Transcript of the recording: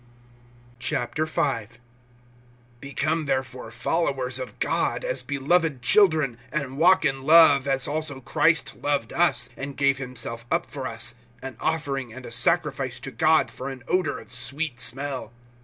V. BECOME therefore followers of God, as beloved children (2)and walk in love, as also Christ loved us, and gave himself up for us, an offering and a sacrifice to God for an odor of sweet smell.